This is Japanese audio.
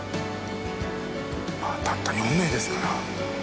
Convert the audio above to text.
まあたった４名ですから。